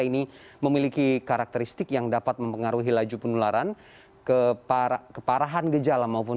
ini memiliki karakteristik yang dapat mempengaruhi laju penularan ke para keparahan gejala maupun